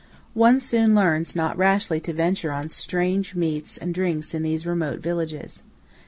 One soon learns not rashly to venture on strange meats and drinks in these remote villages.